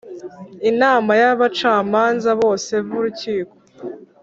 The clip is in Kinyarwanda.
inama y abacamanza bose b Urukiko